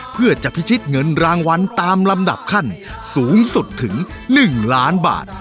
เพื่อจะพิชิตเงินรางวัลตามลำดับขั้นสูงสุดถึง๑ล้านบาท